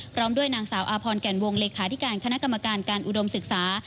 พร้อมด้วยนางสาวอาพรแก่นวงเลขาธิการคณะกรรมการการอุดมศึกษา